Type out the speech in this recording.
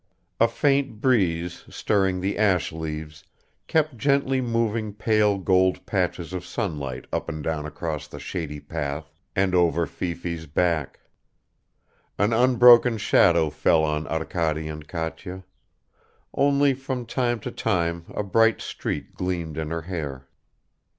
A faint breeze, stirring the ash leaves, kept gently moving pale gold patches of sunlight up and down across the shady path and over Fifi's back; an unbroken shadow fell on Arkady and Katya; only from time to time a bright streak gleamed in her hair.